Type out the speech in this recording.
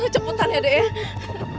cepetan ya dek